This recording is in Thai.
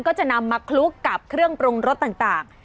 ก็จะนำมาคลุกกับเครื่องปรุงรสต่าง